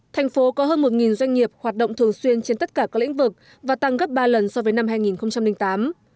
thành phố có hơn một doanh nghiệp hoạt động thường xuyên trên tất cả các lĩnh vực và tăng gấp ba lần so với năm hai nghìn tám